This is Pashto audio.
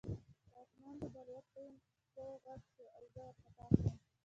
په آسمان کې د الوتکو غږ شو او زه وارخطا شوم